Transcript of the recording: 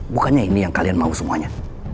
bukannya ini yang kalian mau semuanya